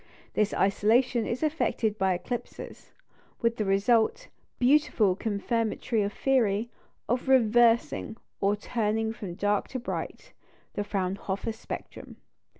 This isolation is effected by eclipses, with the result beautifully confirmatory of theory of reversing, or turning from dark to bright, the Fraunhofer spectrum.